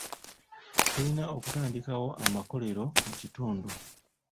Tulina okutandikwo amakolero mu kitundu.